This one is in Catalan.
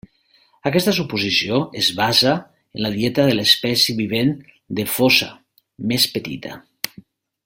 Aquesta suposició es basa en la dieta de l'espècie vivent de fossa, més petita.